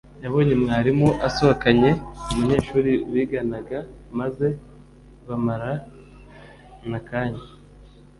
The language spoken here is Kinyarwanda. yabonye mwarimu asohokanye umunyeshuri biganaga maze bamarana akanya